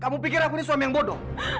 kamu pikir aku ini suami yang bodoh